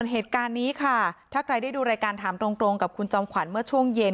เหตุการณ์นี้ค่ะถ้าใครได้ดูรายการถามตรงกับคุณจอมขวัญเมื่อช่วงเย็น